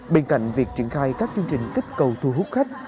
bên cạnh việc triển khai các chương trình kích cầu thu hút khách